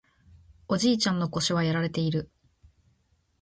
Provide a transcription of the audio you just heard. おじいちゃんの腰はやられている